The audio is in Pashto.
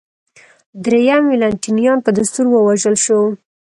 درېیم والنټینیان په دستور ووژل شو